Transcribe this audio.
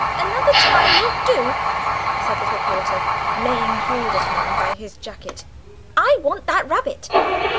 "Another time won't do," said little Porter, laying hold of him by his jacket. "I want that rabbit."